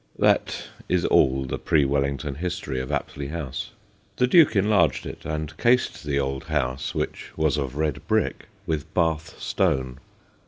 That is all the pre Wellington history of Apsley House. The Duke en larged it, and cased the old house, which was of red brick, with Bath stone.